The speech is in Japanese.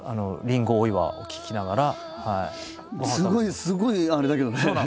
すごいすごいあれだけどね。